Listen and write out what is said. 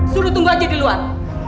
suruh tunggu aja di luar